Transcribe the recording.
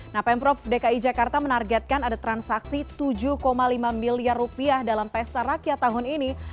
nah pemprov dki jakarta menargetkan ada transaksi tujuh lima miliar rupiah dalam pesta rakyat tahun ini